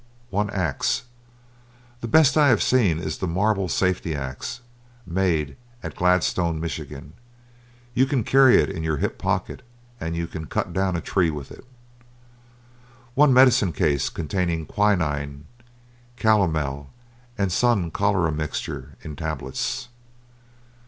One axe. The best I have seen is the Marble Safety Axe, made at Gladstone, Mich. You can carry it in your hip pocket, and you can cut down a tree with it. One medicine case containing quinine, calomel, and Sun Cholera Mixture in tablets.